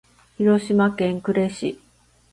広島県呉市